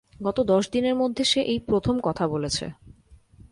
গত দশ দিনের মধ্যে সে এই প্রথম কথা বলেছে।